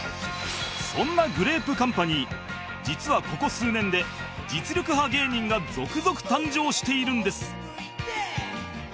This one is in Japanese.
そんなグレープカンパニー実はここ数年で実力派芸人が続々誕生しているんです